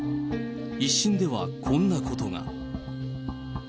１審ではこんなことが。